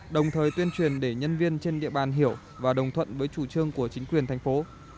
đồng thời tuyên truyền để nhân viên trên địa bàn hiểu và đồng thuận với chủ trương của chính quyền thành phố